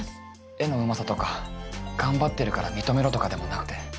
絵のうまさとか頑張ってるから認めろとかでもなくて。